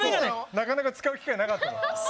なかなか使う機会なかったの。